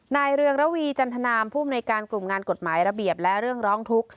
เรืองระวีจันทนามผู้อำนวยการกลุ่มงานกฎหมายระเบียบและเรื่องร้องทุกข์